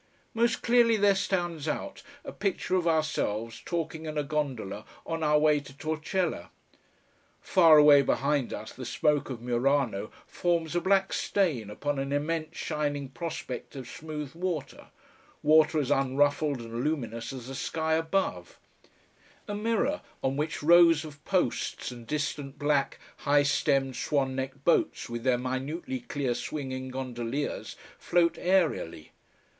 Most clearly there stands out a picture of ourselves talking in a gondola on our way to Torcella. Far away behind us the smoke of Murano forms a black stain upon an immense shining prospect of smooth water, water as unruffled and luminous as the sky above, a mirror on which rows of posts and distant black high stemmed, swan necked boats with their minutely clear swinging gondoliers, float aerially.